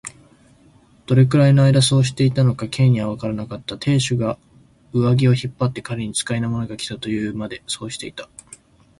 どれくらいのあいだそうしていたのか、Ｋ にはわからなかった。亭主が上衣を引っ張って、彼に使いの者がきた、というまで、そうしていた。